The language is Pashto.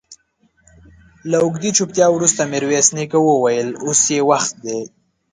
له اوږدې چوپتيا وروسته ميرويس نيکه وويل: اوس يې وخت دی.